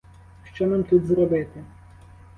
Що нам тут зробити?